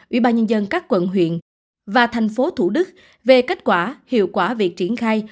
ubnd các quận huyện và tp thủ đức về kết quả hiệu quả việc triển khai